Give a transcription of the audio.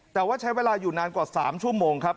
แต่ว่าใช้เวลาอยู่นานกว่า๓ชั่วโมงครับ